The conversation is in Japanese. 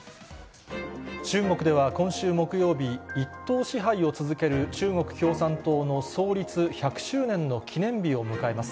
中国では今週木曜日、一党支配を続ける中国共産党の創立１００周年の記念日を迎えます。